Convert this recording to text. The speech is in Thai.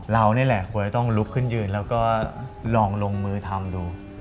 เรานี่แหละควรจะต้องลุกขึ้นยืนแล้วก็ลองลงมือทำดู